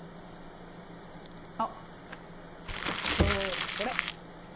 あっそうだこれ。